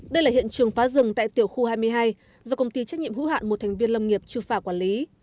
đây là hiện trường phá rừng tại tiểu khu hai mươi hai do công ty trách nhiệm hữu hạn một thành viên lâm nghiệp trừ phả quản lý